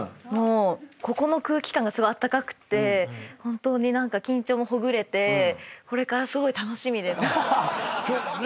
もうここの空気感がすごいあったかくて本当に緊張もほぐれてこれからすごい楽しみです。